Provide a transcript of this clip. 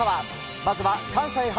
まずは関西発！